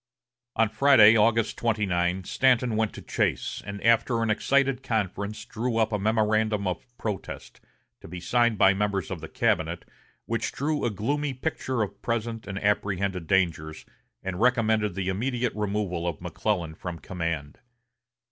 On Friday, August 29, Stanton went to Chase, and after an excited conference drew up a memorandum of protest, to be signed by the members of the cabinet, which drew a gloomy picture of present and apprehended dangers, and recommended the immediate removal of McClellan from command.